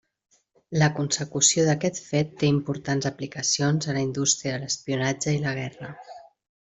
La consecució d'aquest fet té importants aplicacions a la indústria de l'espionatge i la guerra.